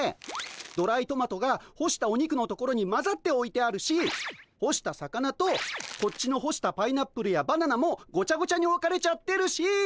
ドライトマトが干したお肉のところにまざっておいてあるし干した魚とこっちの干したパイナップルやバナナもごちゃごちゃにおかれちゃってるし。